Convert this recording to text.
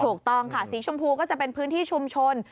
ถูกต้องค่ะสีชมพูก็จะเป็นพื้นที่ชุมชน